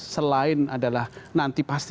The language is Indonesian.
selain adalah nanti pasti